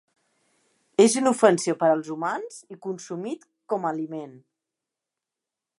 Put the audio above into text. És inofensiu per als humans i consumit com a aliment.